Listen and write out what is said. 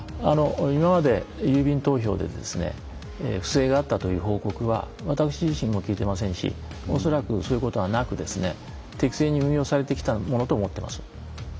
今まで郵便投票で不正があったという報告は私自身も聞いてませんしそういうこともなく適正に運用されてきたものと思ってます。